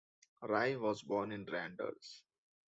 Rye was born in Randers.